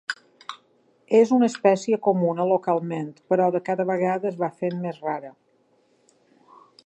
És una espècie comuna localment però de cada vegada es va fent més rara.